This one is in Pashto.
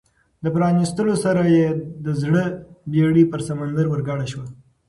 د پرانیستلو سره یې د زړه بېړۍ پر سمندر ورګډه شوه.